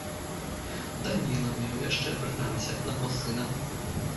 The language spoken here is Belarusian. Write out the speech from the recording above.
Даніла меў яшчэ прынамсі аднаго сына.